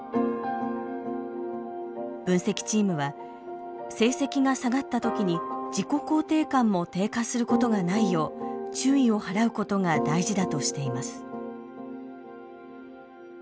分析チームは成績が下がった時に自己肯定感も低下することがないよう注意を払うことが大事だとしています。